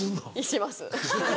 します。